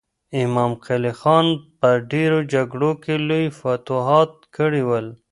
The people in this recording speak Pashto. امام قلي خان په ډېرو جګړو کې لوی فتوحات کړي ول.